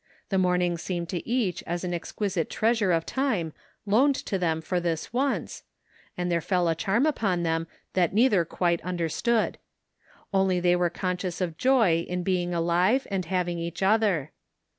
The morning seemed to each as an exquisite treasure of time loaned to them for this once, and there fell a charm upon them that neither quite understood; only they were conscious of joy in being alive and having each other.